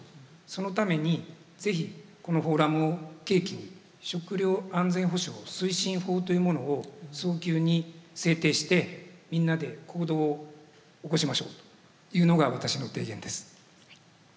そのために是非このフォーラムを契機に「食料安全保障推進法」というものを早急に制定してみんなで行動を起こしましょうというのが私の提言です。